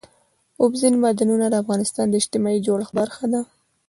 اوبزین معدنونه د افغانستان د اجتماعي جوړښت برخه ده.